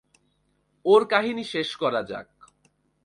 ওর কাহিনী শেষ করা যাক।